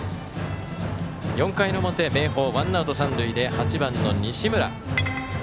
４回の表、明豊ワンアウト、三塁で８番の西村。